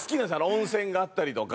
温泉があったりとか。